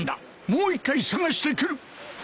もう一回捜してくる。